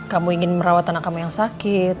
kamu ingin merawat anak kamu yang sakit